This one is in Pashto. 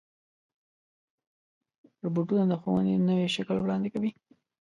روبوټونه د ښوونې نوی شکل وړاندې کوي.